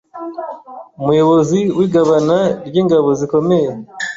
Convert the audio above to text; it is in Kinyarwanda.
umumuyobozi wigabana ryingabo zikomeye